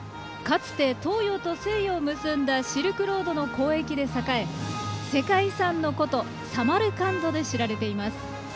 かつて東洋と西洋を結んだシルクロードの交易で栄え世界遺産の古都サマルカンドで知られています。